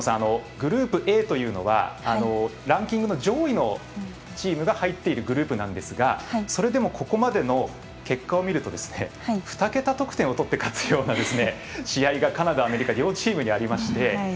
グループＡというのはランキングの上位のチームが入っているグループなんですがそれでもここまでの結果を見ると２桁得点を取って勝つような試合がカナダ、アメリカ両チームにありまして。